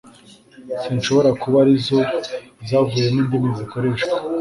zishobora kuba arizo zavuyemo indimi zikoreshwa